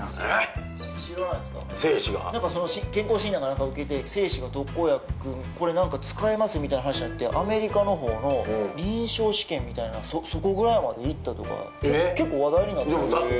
健康診断かなんか受けて精子が特効薬これなんか使えますみたいな話なってアメリカのほうの臨床試験みたいなそこぐらいまでいったとか結構話題になってますよ。